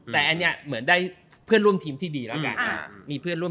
แต่อันนี้เหมือนดีเพื่อนร่วมทีมที่ดีระครับ